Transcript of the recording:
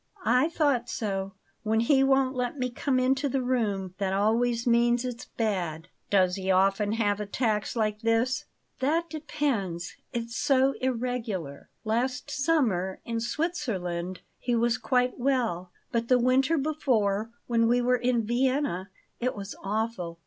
"I thought so. When he won't let me come into the room, that always means it's bad." "Does he often have attacks like this?" "That depends It's so irregular. Last summer, in Switzerland, he was quite well; but the winter before, when we were in Vienna, it was awful.